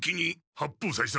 八方斎様。